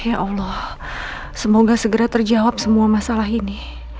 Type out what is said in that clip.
ya allah semoga segera terjawab semua masalah ini